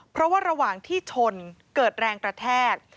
เพราะว่าระหว่างที่ชนเกิดแรงกระแทก